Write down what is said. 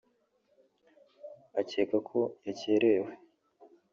akeka ko yakerewe